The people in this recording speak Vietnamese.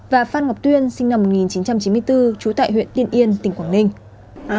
và phan ngọc tuyên sinh năm một nghìn chín trăm chín mươi bốn trú tại huyện tiên yên tỉnh quảng ninh